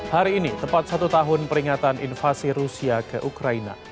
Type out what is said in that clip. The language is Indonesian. hari ini tepat satu tahun peringatan invasi rusia ke ukraina